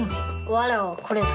わらわはこれぞ。